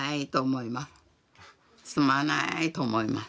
すまないと思います。